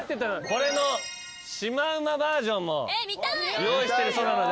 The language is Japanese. これのシマウマバージョンも用意してるそうなので。